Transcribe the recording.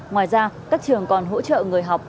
ngoài ra các trường còn hỗ trợ người học